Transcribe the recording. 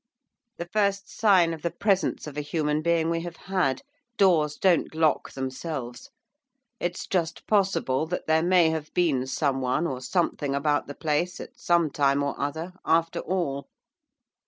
'The first sign of the presence of a human being we have had, doors don't lock themselves. It's just possible that there may have been someone or something about the place, at some time or other, after all.